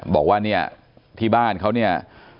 บอกว่าเนี่ยที่บ้านเขาเนี่ย